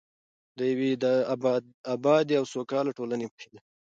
د یوې ابادې او سوکاله ټولنې په هیله.